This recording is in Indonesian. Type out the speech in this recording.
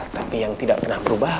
tapi yang tidak pernah berubah